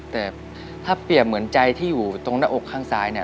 แต่ถ้าเปรียบเหมือนใจที่อยู่ตรงหน้าอกข้างซ้ายเนี่ย